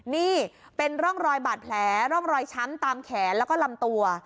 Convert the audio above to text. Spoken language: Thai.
นี่เป็นร่องรอยบาดแผลร่องรอยช้ำตามแขนแล้วก็ลำตัว